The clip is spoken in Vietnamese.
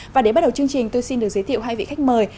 và để bắt đầu chương trình tôi xin được giới thiệu hai vị khách mời